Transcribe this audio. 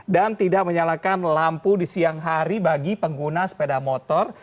dan tidak menyalakan lampu di siang hari bagi pengguna sepeda motor